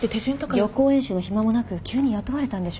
予行演習の暇もなく急に雇われたんでしょ。